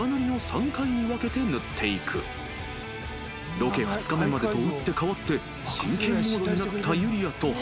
［ロケ２日目までと打って変わって真剣モードになったユリアと華］